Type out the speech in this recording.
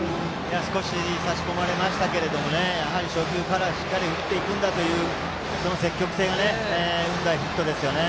少し差し込まれましたがやはり初球からしっかり振っていくんだというその積極性が生んだヒットですね。